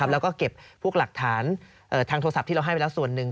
แล้วก็เก็บพวกหลักฐานทางโทรศัพท์ที่เราให้ไปแล้วส่วนหนึ่ง